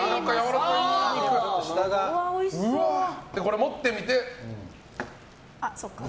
これを持ってみて。